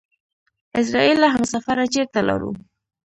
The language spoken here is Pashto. اعزرائيله همسفره چېرته لاړو؟!